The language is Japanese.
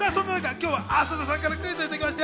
今日は浅田さんからクイズをいただきました。